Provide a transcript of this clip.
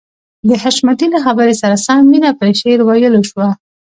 د حشمتي له خبرې سره سم مينه په شعر ويلو شوه.